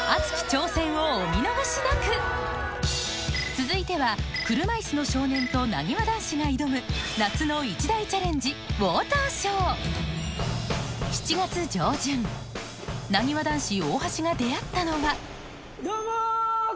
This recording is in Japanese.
続いては車いすの少年となにわ男子が挑む夏の一大チャレンジウォーターショーなにわ男子・大橋が出会ったのはどうも！